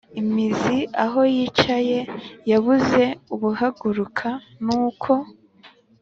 imizi aho yicaye, yabuze ubuhaguruka nuko